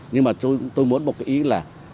nhưng mà tôi muốn một cái ý là